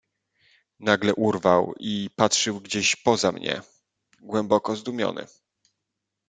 "Nagle urwał i patrzył gdzieś poza mnie, głęboko zdumiony."